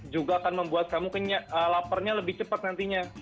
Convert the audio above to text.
juga akan membuat kamu laparnya lebih cepat nantinya